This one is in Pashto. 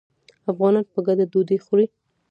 افغانان په ګډه ډوډۍ خوري.